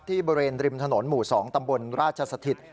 ที่เบอร์เรนริมถนนหมู่๒ตำบลราชสถิต